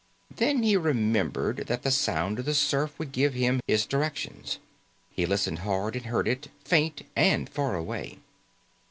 Then he remembered that the sound of the surf would give him his directions. He listened hard and heard it, faint and far away.